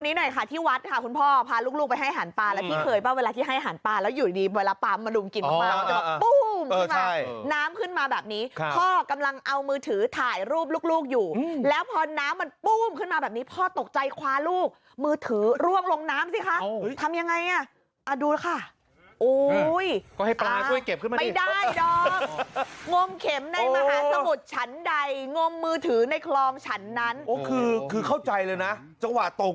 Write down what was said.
นี่หน่อยค่ะที่วัดคุณพ่อพาลูกไปให้หาลูกไปให้หาลูกไปให้หาลูกไปให้หาลูกไปให้หาลูกแล้วที่เคยเปล่าเวลาที่ให้หาลูกได้แล้วที่เคยเปล่าเวลาที่ให้หาลูกได้แล้วที่เคยเปล่าเวลาที่ให้หาลูกได้แล้วที่เคยเปล่าเวลาที่ให้หาลูกได้แล้วที่เคยเปล่าเวลาที่ให้หาลูก